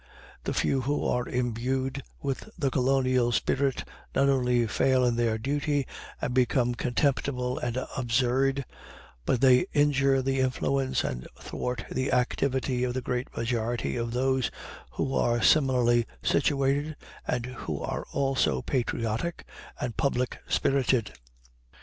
The few who are imbued with the colonial spirit not only fail in their duty, and become contemptible and absurd, but they injure the influence and thwart the activity of the great majority of those who are similarly situated, and who are also patriotic and public spirited.